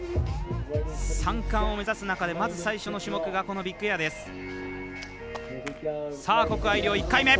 ３冠を目指す中で最初の種目がこのビッグエアです。